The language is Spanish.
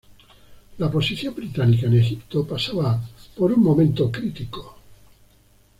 La posición británica en Egipto pasaba por un momento crítico.